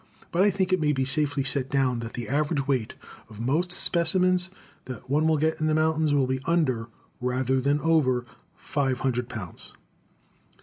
But I think it may be safely set down that the average weight of most specimens that one will get in the mountains will be under, rather than over, five hundred pounds.